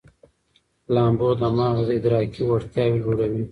لامبو د مغز ادراکي وړتیاوې لوړوي.